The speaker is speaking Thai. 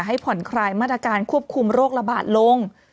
ให้ผ่อนคลายมาตรการควบคุมโรคระบาดลง